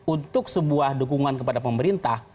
untuk sebuah dukungan kepada pemerintah